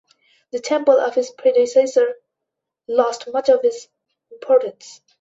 The temple of his predecessor lost much of its importance.